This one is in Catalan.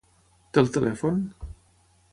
Té el telèfon?